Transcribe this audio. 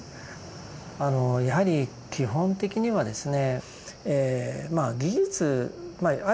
やはり基本的にはですね